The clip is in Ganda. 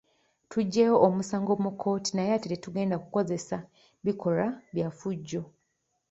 Tuggyeeyo omusango mu kkooti naye ate tetugenda kukozesa bikolwa byaffujjo.